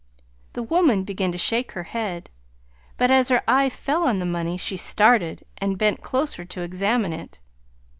The woman began to shake her head; but, as her eyes fell on the money, she started, and bent closer to examine it.